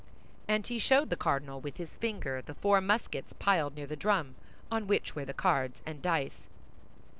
And he showed the cardinal, with his finger, the four muskets piled near the drum, on which were the cards and dice.